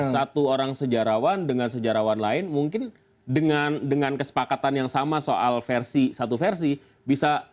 satu orang sejarawan dengan sejarawan lain mungkin dengan kesepakatan yang sama soal versi satu versi bisa